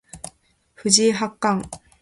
藤井八冠